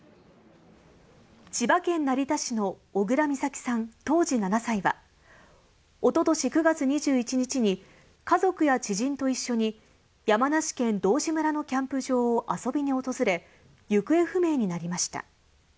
千葉県成田市の小倉美咲さん当時７歳は、おととし９月２１日に家族や知人と一緒に、山梨県道志村のキャンプ場を遊びに訪れ、行方不明になりました。